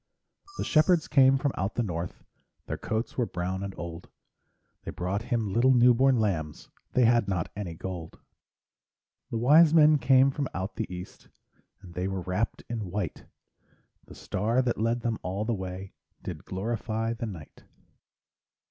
The shepherds came from out the north, Their coats were brown and old, They brought Him little new born lambs They had not any gold. The wise men came from out the east, And they were wrapped in white; The star that led them all the way Did glorify the night.